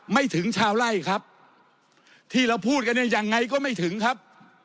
ไม่ถึงชาวไล่ครับที่เราพูดกันเนี่ยยังไงก็ไม่ถึงครับ